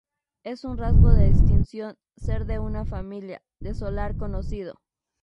Es un rasgo de distinción ser de una familia "de solar conocido".